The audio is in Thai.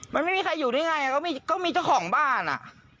มันไม่มีใครอยู่ได้ไงก็มีเจ้าของบ้านอ่ะ